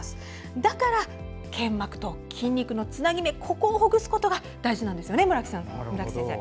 だから、腱膜と筋肉のつなぎ目ここをほぐすことが大事なんですよね。